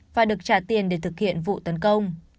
và được trả tiền để thực hiện vụ tấn công